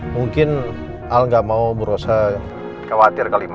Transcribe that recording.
mungkin al gak mau bu rosa khawatir kelima